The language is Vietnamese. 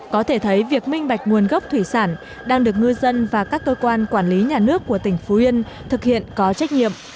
có thể thấy việc minh bạch nguồn gốc thủy sản đang được ngư dân và các cơ quan quản lý nhà nước của tỉnh phú yên thực hiện có trách nhiệm